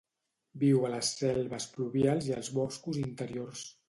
Viu a les selves pluvials i als boscos interiors.